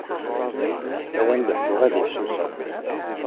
Ad m-d-ḥkuɣ ad ifsuseɣ.